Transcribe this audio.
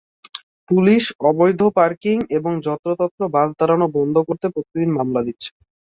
Police অবৈধ parking এবং যত্রতত্র বাস দাঁড়ানো বন্ধ করতে প্রতিদিন মামলা দিচ্ছে।